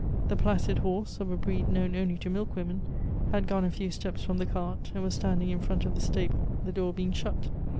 The placid horse, of a breed known only to milk women, had gone a few steps from the cart, and was standing in front of the stable, the door being shut.